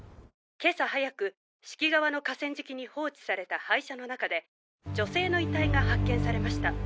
今朝早く四季川の河川敷に放置された廃車の中で女性の遺体が発見されました。